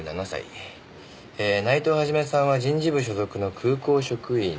「内藤肇さんは人事部所属の空港職員で」